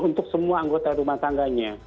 untuk semua anggota rumah tangganya